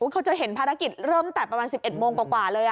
เขาจะเห็นภารกิจเริ่มแต่ประมาณ๑๑โมงกว่าเลย